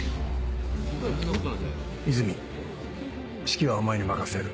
・和泉指揮はお前に任せる。